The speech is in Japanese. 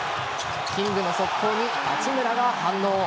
キングの速攻に八村が反応。